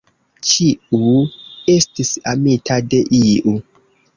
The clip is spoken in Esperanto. Ĉiu estis amita de iu.